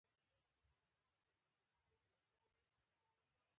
پنځه ویشتم لوست حبیب الله کلکاني واک ته رسېدو څرنګوالی څېړي.